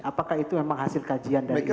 apakah itu memang hasil kajian dari ibu vera